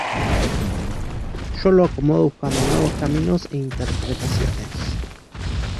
Yo lo acomodo buscando nuevos caminos e interpretaciones".